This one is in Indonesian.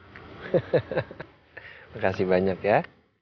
terima kasih banyak ya